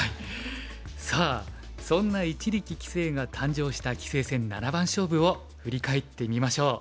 さあそんな一力棋聖が誕生した棋聖戦七番勝負を振り返ってみましょう。